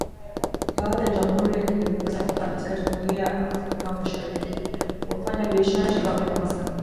Baada ya Jamhuri ya Kidemokrasia ya Kongo kuingizwa rasmi katika Jumuiya ya Afrika Mashariki, wafanyabiashara nchini Uganda wamehamasika